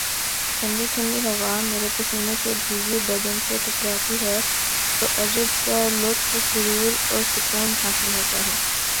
ٹھنڈی ٹھنڈی ہوا میرے پسینے سے بھیگے بدن سے ٹکراتی ہے تو عجب سا لطف و سرو ر اور سکون حاصل ہوتا ہے